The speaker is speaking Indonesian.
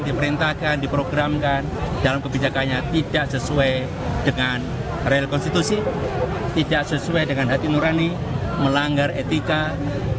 diperintahkan diprogramkan dalam kebijakannya tidak sesuai dengan real konstitusi tidak sesuai dengan hati nurani melanggar etika